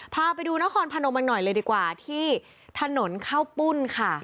พาไปดูนครพนมกันหน่อยเลยดีกว่าที่ถนนข้าวปุ้นค่ะ